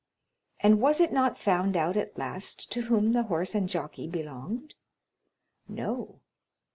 "And was it not found out at last to whom the horse and jockey belonged?" "No."